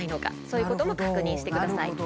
そういうことも確認してください。